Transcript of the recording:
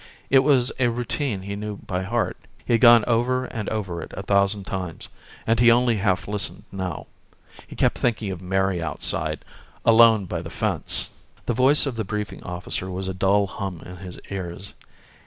It was a routine he knew by heart. He had gone over and over it a thousand times, and he only half listened now. He kept thinking of Mary outside, alone by the fence. The voice of the briefing officer was a dull hum in his ears.